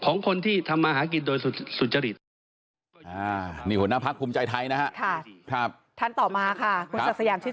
ของคนที่ทำมาหากินโดยสุจริต